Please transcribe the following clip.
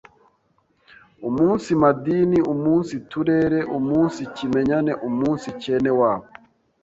umunsi madini, umunsi turere, umunsi kimenyane, umunsi cyenewabo,